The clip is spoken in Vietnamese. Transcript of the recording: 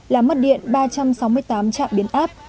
làm mất điện ba trăm sáu mươi tám trạm biến áp